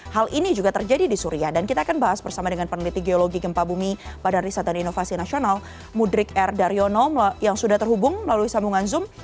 hal ini juga terjadi di suriah dan kita akan bahas bersama dengan peneliti geologi gempa bumi badan riset dan inovasi nasional mudrik r daryono yang sudah terhubung melalui sambungan zoom